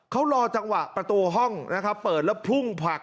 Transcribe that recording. เขารอจังหวะประตูห้องนะครับเปิดแล้วพุ่งผลัก